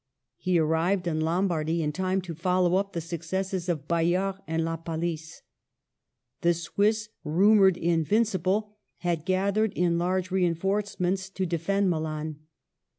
He arrived in Lombardy in time to follow up the successes of Bayard and La Palice. The Swiss, rumored invincible, had gathered in large rein forcements to defend Milan.